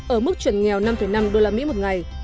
ở mức chuẩn nghèo năm năm usd một ngày